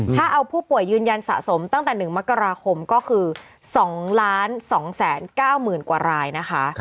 ถ้าเอาผู้ป่วยยืนยันสะสมตั้งแต่๑มกราคมก็คือ๒๒๙๐๐๐กว่ารายนะคะ